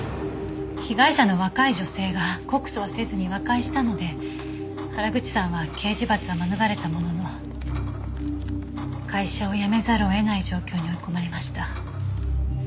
被害者の若い女性が告訴はせずに和解したので原口さんは刑事罰は免れたものの会社を辞めざるを得ない状況に追い込まれました。